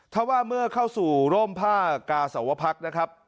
ถ้าว่าเมื่อเข้าสู่ร่มผ้ากาสวพักนะครับ